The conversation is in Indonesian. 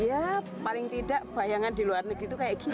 ya paling tidak bayangan di luar negeri itu kayak gini